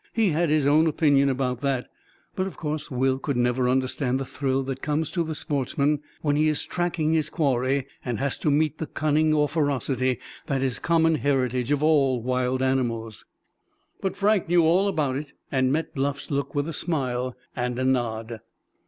He had his own opinion about that; but of course Will could never understand the thrill that comes to the sportsman when he is tracking his quarry, and has to meet the cunning or ferocity that is the common heritage of all wild animals. But Frank knew all about it, and met Bluff's look with a smile and a nod.